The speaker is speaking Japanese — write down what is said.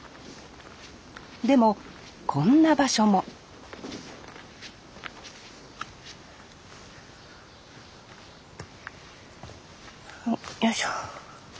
でもこんな場所もよいしょ。